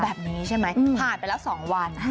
แบบนี้ใช่ไหมผ่านไปแล้ว๒วัน